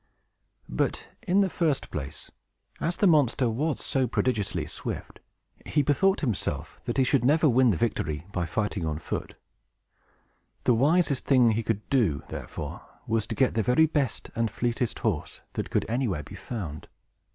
But, in the first place, as the monster was so prodigiously swift, he bethought himself that he should never win the victory by fighting on foot. The wisest thing he could do, therefore, was to get the very best and fleetest horse that could anywhere be found.